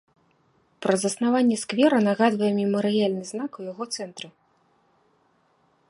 Пра заснаванне сквера нагадвае мемарыяльны знак у яго цэнтры.